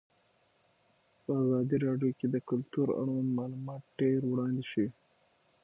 په ازادي راډیو کې د کلتور اړوند معلومات ډېر وړاندې شوي.